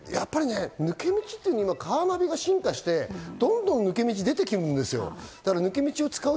カーナビが進化してどんどん抜け道が出てくるんですよ。